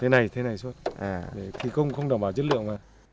thế này thế này thôi thì không đảm bảo chất lượng mà